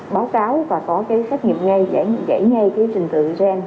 báo cáo và có cái phát nghiệp ngay giải ngay cái trình tự gen